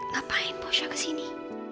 ngapain bosnya kesini